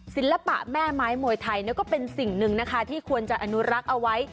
ศิลปะแม่ไม้มวยไทยก็เป็นสิ่งหนึ่งนะคะที่ควรจะอนุรักษ์เอาไว้